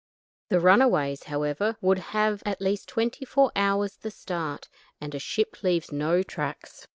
The runaways, however, would have at least twenty four hours the start, and a ship leaves no tracks.